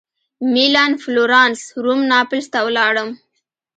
مېلان فلورانس روم ناپلز ته ولاړم.